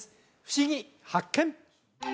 ふしぎ発見！